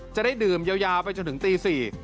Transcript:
จะได้ดื่มยาวไปจนถึงตี๔